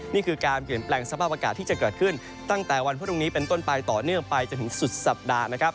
นี่คือการเปลี่ยนแปลงสภาพอากาศที่จะเกิดขึ้นตั้งแต่วันพรุ่งนี้เป็นต้นไปต่อเนื่องไปจนถึงสุดสัปดาห์นะครับ